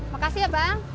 makasih ya bang